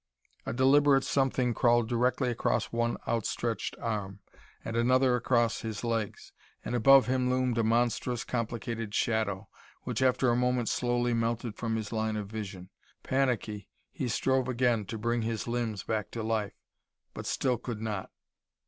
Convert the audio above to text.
A deliberate something crawled directly across one outstretched arm, and another across his legs. And above him loomed a monstrous, complicated shadow, which, after a moment, slowly melted from his line of vision. Panicky, he strove again to bring his limbs back to life, but still could not....